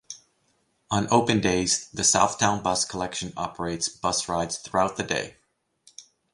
On open days the Southdown Bus collection operates bus rides throughout the day.